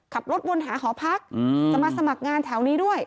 ขับรถวนหาหอพักจะมาสมัครงานแถวนี้ด้วย